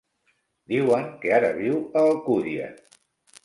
Diuen que ara viu a Alcúdia.